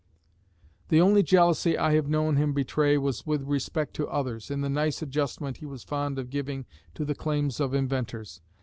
The only jealousy I have known him betray was with respect to others, in the nice adjustment he was fond of giving to the claims of inventors.